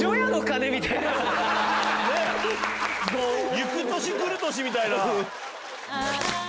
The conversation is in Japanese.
『ゆく年くる年』みたいな。